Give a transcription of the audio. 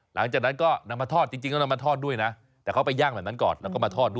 หลังจากนั้นก็น้ำมาทอดจริงก็น้ำมาทอดด้วยนะแต่เขาไปย่างแบบนั้นก่อน